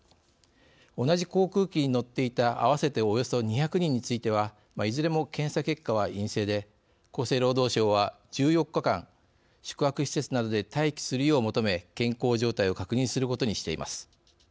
同じ航空機に乗っていた合わせておよそ２００人についてはいずれも検査結果は陰性で厚生労働省は、１４日間宿泊施設などで待機するよう求め健康状態を確認することにしています。